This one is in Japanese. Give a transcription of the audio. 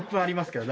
あります。